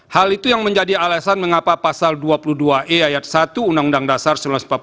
hal itu yang menjadi alasan mengapa pasal dua puluh dua e ayat satu undang undang dasar seribu sembilan ratus empat puluh lima